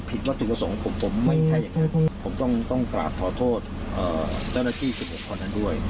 ผมต้องกราบขอโทษเจ้าหน้าที่๑๖คนทั้งด้วย